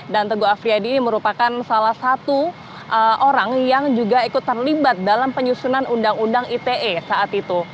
dan teguh afriyadi merupakan salah satu orang yang juga ikut terlibat dalam penyusunan undang undang ite saat itu